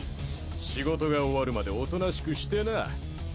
仕事が終わるまでおとなしくしてな。